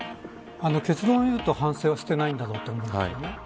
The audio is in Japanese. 結論を言うと反省はしていないんだろうと思いますね。